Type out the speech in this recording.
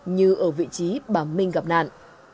như ở vị trí bà minh gặp nạn